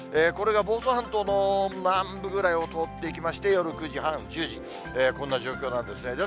これが房総半島の南部ぐらいを通っていきまして、夜９時半、１０時、こんな状況なんですね。